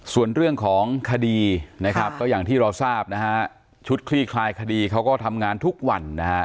ส่วนเรื่องของคดีนะครับก็อย่างที่เราทราบนะฮะชุดคลี่คลายคดีเขาก็ทำงานทุกวันนะฮะ